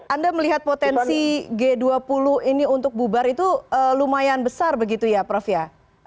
anda melihat potensi g dua puluh ini untuk bubar itu lumayan besar begitu ya prof ya